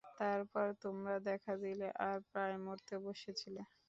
তারপর তোমরা দেখা দিলে আর প্রায় মরতে বসেছিলে।